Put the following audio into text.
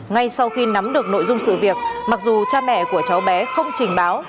ngay sau khi nắm được nội dung sự việc mặc dù cha mẹ của cháu bé không trình báo